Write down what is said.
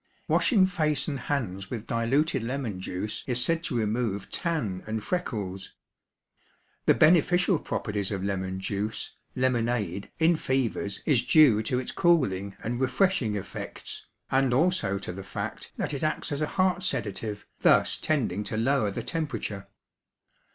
Washing face and hands with diluted lemon juice is said to remove tan and freckles. The beneficial properties of lemon juice, lemonade, in fevers is due to its cooling and refreshing effects, and also to the fact that it acts as a heart sedative, thus tending to lower the temperature.